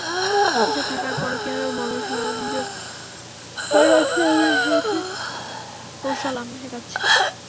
এসব থাকার পরও কীভাবে মনঃসংযোগ ধরে রাখতে হবে, সেটির কৌশল আমরা শেখাচ্ছি।